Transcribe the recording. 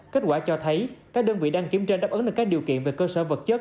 kết quả cho thấy các đơn vị đang kiểm tra đáp ứng được các điều kiện về cơ sở vật chất